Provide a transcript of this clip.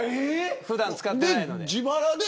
普段使ってないので。